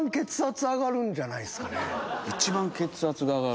一番血圧が上がる？